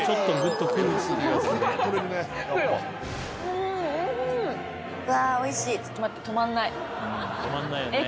うわぁおいしい。